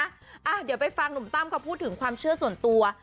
เดี๋ยวไปฟังหนุ่มตั้มเขาพูดถึงความเชื่อส่วนตัว